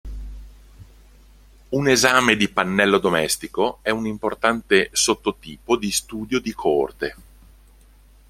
Un esame di pannello domestico è un importante sotto-tipo di studio di coorte.